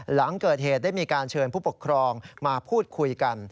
หลังเกิดเหตุได้มีการเชิญผู้ปกครองมาพูดคุยกัน